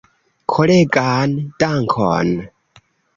Koregan dankon!